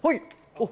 おっ。